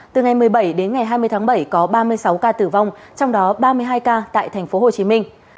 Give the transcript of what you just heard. từ ngày một mươi bảy đến ngày hai mươi tháng bảy có ba mươi sáu ca tử vong trong đó ba mươi hai ca tại tp hcm